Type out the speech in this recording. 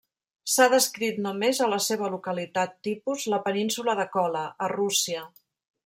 S'ha descrit només a la seva localitat tipus, la Península de Kola, a Rússia.